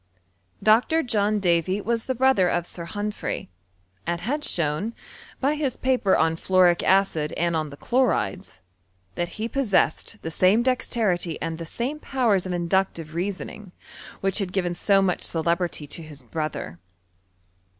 Dr. John Davy was the brother of Sir Humphry, «nd had shown, by his paper on fluoric acid and on the chlorides, that he possessed the same dexterity and the same powers of inductive reasoning, which Iwd given so much celebrity to his brother.